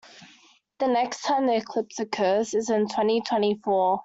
The next time the eclipse occurs is in twenty-twenty-four.